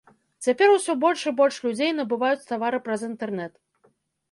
Цяпер усё больш і больш людзей набываюць тавары праз інтэрнэт.